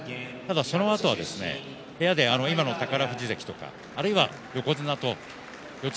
そのあとは部屋で今の宝富士関とか横綱と四つ